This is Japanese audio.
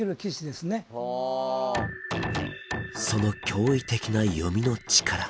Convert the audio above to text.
その驚異的な読みの力。